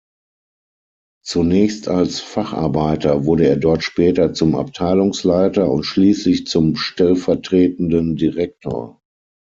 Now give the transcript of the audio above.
Zunächst als Facharbeiter wurde er dort später zum Abteilungsleiter und schließlich zum stellvertretenden Direktor.